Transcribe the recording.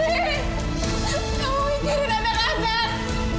mbak dewi kamu mikirin anak anak